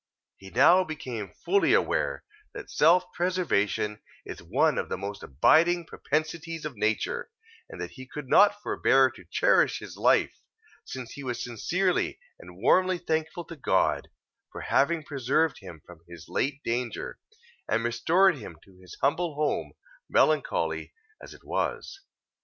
He now became fully aware, that self preservation is one of the most abiding propensities of nature, and that he could not forbear to cherish his life, since he was sincerely and warmly thankful to God, for having preserved him from his late danger, and restored him to his humble home, melancholy as it was.